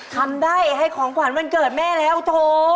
ทำได้ให้ของขวัญวันเกิดแม่แล้วโถ